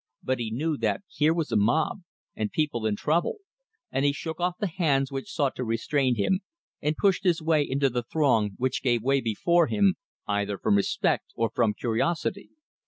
But he knew that here was a mob, and people in trouble, and he shook off the hands which sought to restrain him, and pushed his way into the throng, which gave way before him, either from respect or from curiosity.